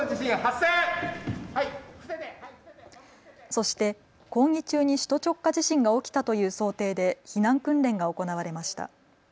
そして講義中に首都直下地震が起きたという想定で避難訓練が行われました。